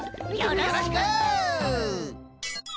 よろしく！